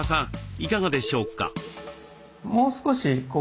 いかがでしょうか？